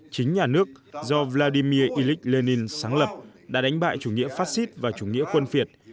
chính nhà nước do vladimir ilyich lenin sáng lập đã đánh bại chủ nghĩa phát xít và chủ nghĩa quân việt